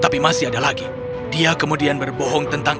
tapi masih ada lagi dia kemudian berbohong tentang